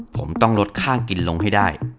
ผมต้องลดค่ากินลงให้ได้